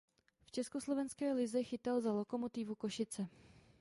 V československé lize chytal za Lokomotívu Košice.